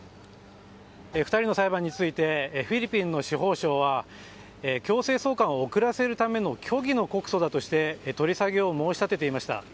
２人の裁判についてフィリピンの司法省は強制送還を遅らせるための虚偽の告訴だとして取り下げを申し立てていました。